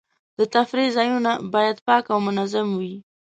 د تفریح ځایونه باید پاک او منظم وي.